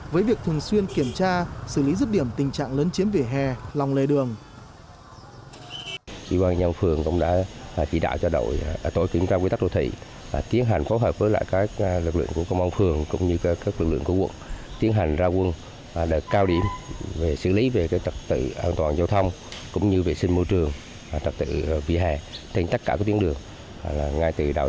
với việc thường xuyên kiểm tra xử lý dứt điểm tình trạng lớn chiếm vỉa hè lòng lề đường